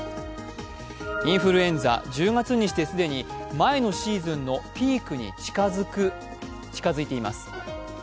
インフルエンザ１０月にして既に前のシーズンのピークに近づいています。